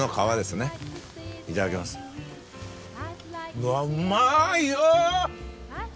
うわっうまいよ！